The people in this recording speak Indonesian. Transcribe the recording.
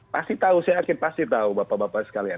pasti tahu saya yakin pasti tahu bapak bapak sekalian